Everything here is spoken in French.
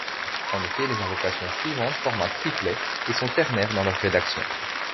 En effet, les invocations suivantes forment un triplet, et sont ternaires dans leur rédaction.